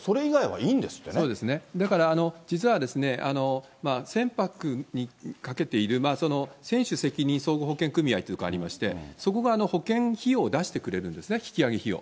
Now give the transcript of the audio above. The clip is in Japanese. だから、実は、船舶にかけている、船主責任総合保険組合というところありまして、そこが保険費用を出してくれるんですね、引き揚げ費用。